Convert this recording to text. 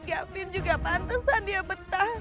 kabin juga pantesan dia betah